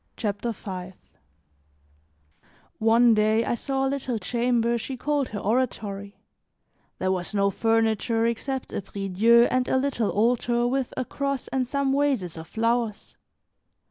CHAPTER V ONE day, I saw a little chamber she called her oratory; there was no furniture except a priedieu and a little altar with a cross and some vases of flowers.